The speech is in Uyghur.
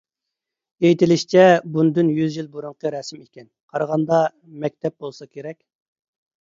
ئېيتىلىشىچە، بۇندىن يۈز يىل بۇرۇنقى رەسىم ئىكەن. قارىغاندا مەكتەپ بولسا كېرەك.